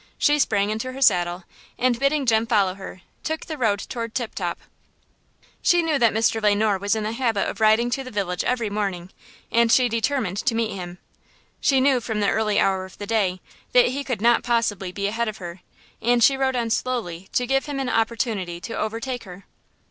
She sprang into her saddle, and, bidding Jem follow her, took the road toward Tip Top. She knew that Mr. Le Noir was in the habit of riding to the village every morning, and she determined to meet him. She knew, from the early hour of the day, that he could not possibly be ahead of her, and she rode on slowly to give him an opportunity to overtake her.